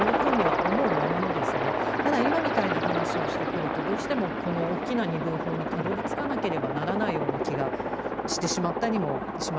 ただ今みたいな話をしてくるとどうしてもこの大きな二分法にたどりつかなければならないような気がしてしまったりもします。